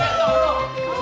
tuh tuh tuh